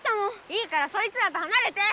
いいからそいつらとはなれて！